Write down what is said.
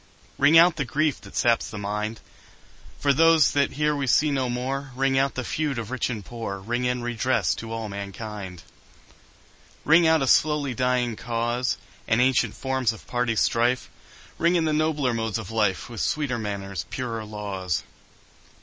Ring out the grief that saps the mind, For those that here we see no more, Ring out the feud of rich and poor, Ring in redress to all mankind. Ring out a slowly dying cause, And ancient forms of party strife; Ring in the nobler modes of life, With sweeter manners, purer laws.